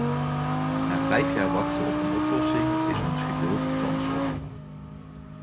Na vijf jaar wachten op een oplossing is ons geduld thans op.